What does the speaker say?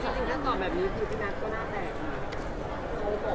ค่ะจริงถ้าตอนแบบนี้พี่นัทก็น่าแทนค่ะ